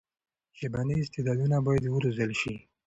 ژبني استعدادونه باید وروزل سي.